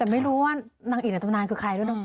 แต่ไม่รู้ว่านางเอกในตำนานคือใครด้วยเนอ